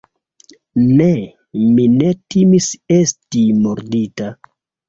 Ne, mi ne timis esti mordita.